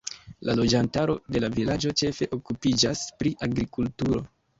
La loĝantaro de la vilaĝo ĉefe okupiĝas pri agrikulturo.